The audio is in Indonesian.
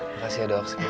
makasih ya dok